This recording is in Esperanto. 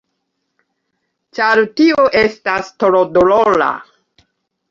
Ĉar tio estas tro dolora.